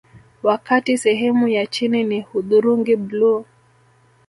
Wakati sehemu ya chini ni hudhurungi bluu